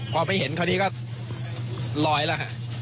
พอไม่เห็นเขานี่ก็ลอยแล้วค่ะ